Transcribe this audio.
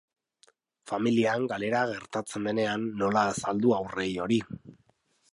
Familian galera gertatzen denean nola azaldu haurrei hori.